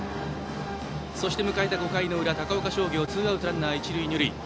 そして迎えた５回の裏高岡商業はツーアウトランナー、一塁二塁。